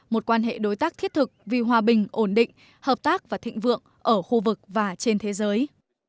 một quan hệ đối tác thiết thực vì hòa bình ổn định hợp tác và thịnh vượng ở khu vực và trên thế giới